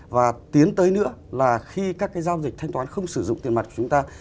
và tiến tới nữa là khi các cái giao dịch thanh toán không sử dụng tiền mặt của chúng ta